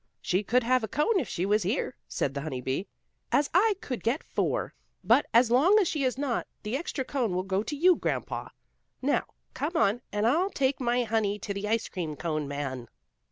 "She could have a cone if she was here," said the honey bee, "as I could get four. But, as long as she is not, the extra cone will go to you, Grandpa. Now, come on, and I'll take my honey to the ice cream cone man."